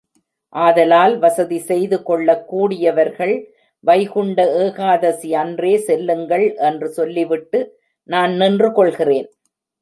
ஆதலால் வசதி செய்து கொள்ளக் கூடியவர்கள் வைகுண்ட ஏகாதசி அன்றே செல்லுங்கள் என்று சொல்லிவிட்டு நான் நின்று கொள்கிறேன்.